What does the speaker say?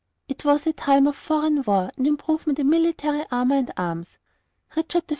It was a time of foreign war and improvement in military armour and arms. Richard I.